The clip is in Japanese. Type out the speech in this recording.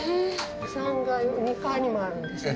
３階２階にもあるんですね。